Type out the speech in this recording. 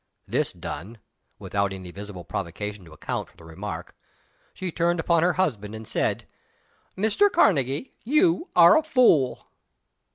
This done without any visible provocation to account for the remark she turned upon her husband, and said, "Mr. Karnegie you are a fool."